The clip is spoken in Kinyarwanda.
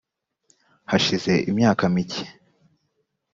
hashize imyaka mike .